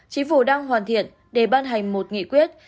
chính phủ đang hoàn thiện để ban hành một nghị quyết